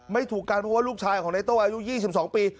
ถูกกันเพราะว่าลูกชายของในโต้อายุ๒๒ปี